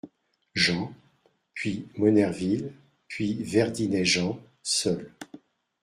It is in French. Jean ; puis Monnerville ; puis Verdinet Jean , seul.